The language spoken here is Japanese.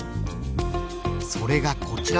それがこちら。